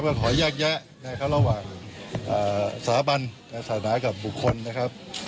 นึกว่าขอยากแยะระหว่างสาบันสามารถกับบุคคลนะครับ